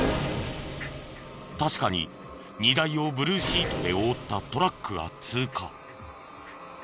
確かに荷台をブルーシートで覆ったトラックが通過。